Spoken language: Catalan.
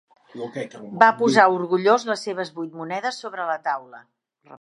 Va posar orgullós les seves vuit monedes sobre la taula.